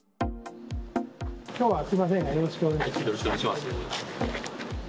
きょうはすみませんが、よろしくお願いします。